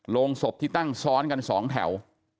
โรงศพที่ตั้งซ้อนกัน๒แถว